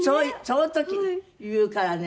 その時言うからね